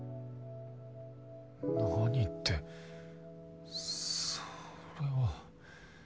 何ってそれは。